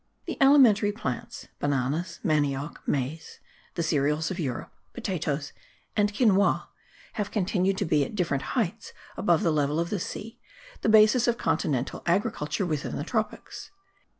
The alimentary plants, bananas, manioc, maize, the cereals of Europe, potatoes and quinoa, have continued to be, at different heights above the level of the sea, the basis of continental agriculture within the tropics.